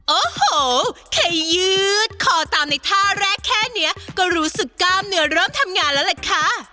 โอ้โหแค่ยืดคอตามในท่าแรกแค่นี้ก็รู้สึกกล้ามเนื้อเริ่มทำงานแล้วล่ะค่ะ